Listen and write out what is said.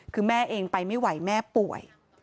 คือแม่เองไปไม่ไหวแม่ป่วย